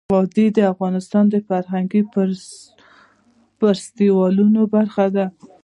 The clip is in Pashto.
وادي د افغانستان د فرهنګي فستیوالونو برخه ده.